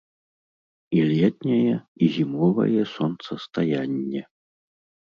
І летняе, і зімовае сонцастаянне.